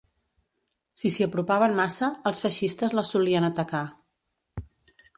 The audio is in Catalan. Si s'hi apropaven massa, els feixistes les solien atacar